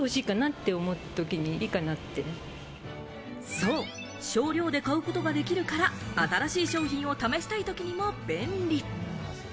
そう、少量で買うことができるから、新しい商品を試したい時にも便利。